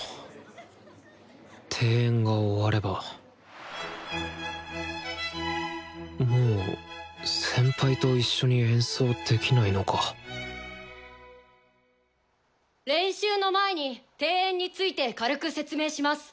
定演が終わればもう先輩と一緒に演奏できないのか練習の前に定演について軽く説明します。